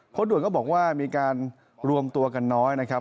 ด่วนก็บอกว่ามีการรวมตัวกันน้อยนะครับ